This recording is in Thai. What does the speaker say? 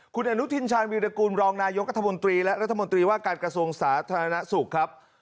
คุณอนุทินชาญวีรกูลรองนายกัธมนตรีและรัฐมนตรีว่าการกระทรวงสาธารณสุขครับ